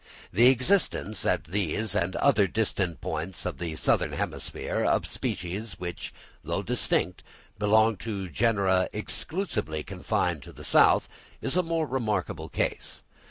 The existence at these and other distant points of the southern hemisphere, of species, which, though distinct, belong to genera exclusively confined to the south, is a more remarkable case.